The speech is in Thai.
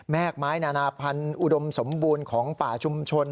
กไม้นานาพันธุ์อุดมสมบูรณ์ของป่าชุมชน